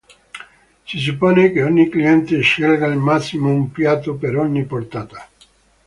Si suppone che ogni cliente scelga al massimo un piatto per ogni portata.